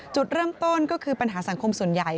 จุดเริ่มต้นก็คือปัญหาสังคมส่วนใหญ่